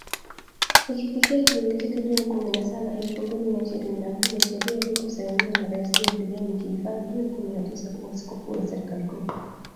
ikifikia kilele chake Juni kumi na saba, elfu mbili na ishirini na moja sheria iliposainiwa na Rais Joe Biden ikiifanya June kumi na tisakuwa sikukuu ya serikali kuu.